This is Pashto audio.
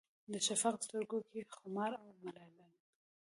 د شفق سترګو کې خمار او ملال